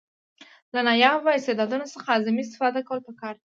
له نایابه استعدادونو څخه اعظمي استفاده کول پکار دي.